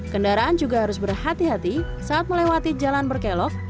kendaraan juga harus berhati hati saat melewati jalan berkelok